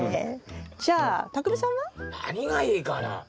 じゃあたくみさんは？何がいいかな。